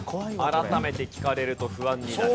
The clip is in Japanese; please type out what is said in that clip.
改めて聞かれると不安になる。